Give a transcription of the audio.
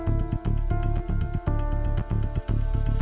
kondisi pelajar pengguna tidak selesai